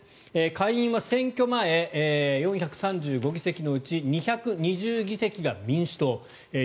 下院は選挙前、４３５議席のうち２２０議席が民主党。